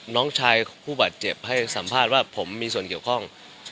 น้องชายผู้บาดเจ็บให้สัมภาษณ์ว่าผมมีส่วนเกี่ยวข้อง